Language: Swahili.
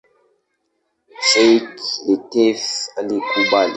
Sheikh Lateef alikubali.